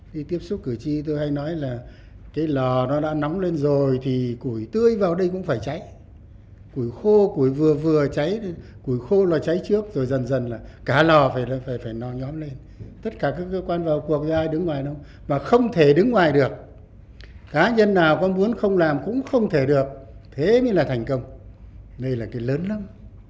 khi tiếp xúc cử tri tôi hay nói là cái lò nó đã nóng lên rồi thì củi tươi vào đây cũng phải cháy củi khô củi vừa vừa cháy củi khô nó cháy trước rồi dần dần là cả lò phải nó nhóm lên tất cả các cơ quan vào cuộc thì ai đứng ngoài đâu mà không thể đứng ngoài được cá nhân nào có muốn không làm cũng không thể được thế mới là thành công đây là cái lớn lắm